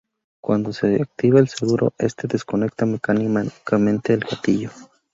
Cuando se activa el seguro, este desconecta mecánicamente el gatillo.